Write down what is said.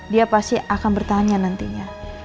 dia pasti akan bertanya nantinya